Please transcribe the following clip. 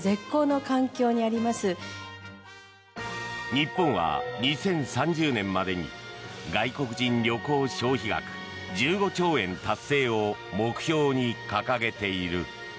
日本は２０３０年までに外国人旅行消費額１５兆円達成を目標に掲げている。